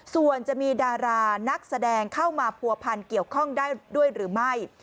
ส่วนจะมีดารานักแสดงเข้ามาผัวพันเกี่ยวข้องได้ด้วยหรือไม่